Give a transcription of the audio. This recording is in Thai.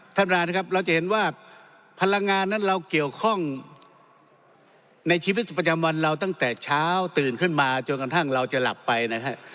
ท่านประธานนะครับเราจะเห็นว่าพลังงานนั้นเราเกี่ยวข้องในชีวิตประจำวันเราตั้งแต่เช้าตื่นขึ้นมาจนกระทั่งเราจะหลับไปนะฮะ